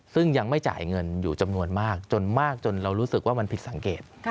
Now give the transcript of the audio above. ซึ่งยังไม่จ่ายเงินอยู่จำนวนมากจนมากจนเรารู้สึกว่ามันผิดสังเกต